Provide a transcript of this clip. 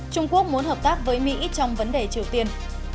trung quốc muốn hợp tác với mỹ trong vấn đề triều tiên